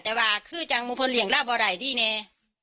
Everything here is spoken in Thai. แต่ว่าคือจังมุมพลเลี่ยงราวเบาไหล่ดีแน